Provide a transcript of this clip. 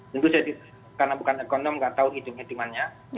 tentu saya karena bukan ekonom nggak tahu hitung hitungannya